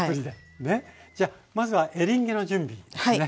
じゃあまずはエリンギの準備ですね。